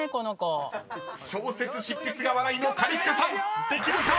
［小説執筆が話題の兼近さんできるか⁉］